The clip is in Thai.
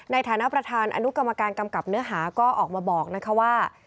ในฐานะประธานอนุกรรมการกำกับเนื้อหาก็ออกมาบอกนะคะว่า